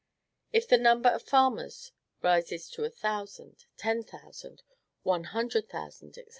If the number of farmers rises to one thousand, ten thousand, one hundred thousand, &c.